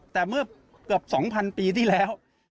แต่เมื่อเกือบ๒๐๐ปีที่แล้ว